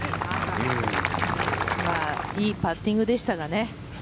いいパッティングでしたがね。